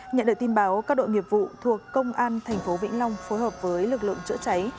nhận được tin báo các đội nghiệp vụ thuộc công an tp vĩnh long phối hợp với lực lượng chữa cháy